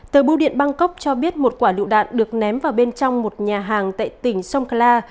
tờ bưu điện bangkok cho biết một quả lựu đạn được ném vào bên trong một nhà hàng tại tỉnh songkla